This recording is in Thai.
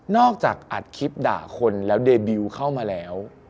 จากอัดคลิปด่าคนแล้วเดบิลเข้ามาแล้ว